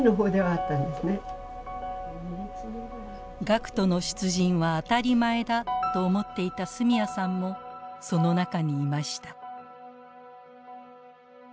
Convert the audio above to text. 学徒の出陣は当たり前だと思っていた角谷さんもその中にいました。